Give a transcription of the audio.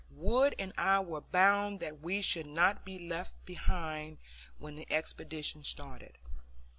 Wood and I were bound that we should not be left behind when the expedition started.